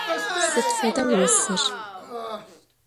Sıd feda vosır?